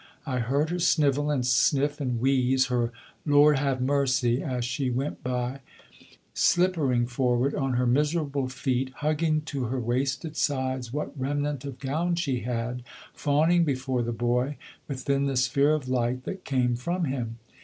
I heard her snivel and sniff and wheeze her "Lord ha' mercy" as she went by, slippering forward on her miserable feet, hugging to her wasted sides what remnant of gown she had, fawning before the boy, within the sphere of light that came from him.